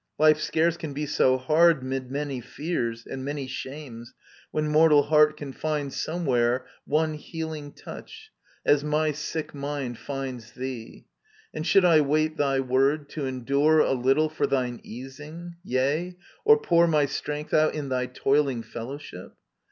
Life scarce can be so hard, 'mid many fears And many shames,, when mortal heart can find I Somewhere one healing touch, as my sick mind 1 Finds thee. ..• And should I wait thy word, to endure A little for thine easing, yea, or pour My strength out in thy toiling fellowship